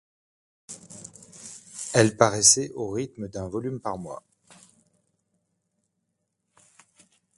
Elle paraissait au rythme d'un volume par mois.